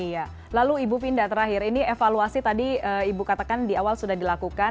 iya lalu ibu finda terakhir ini evaluasi tadi ibu katakan di awal sudah dilakukan